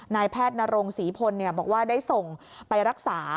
นายแพทย์นรงศรีพลบอกว่าได้ส่งไปรักษา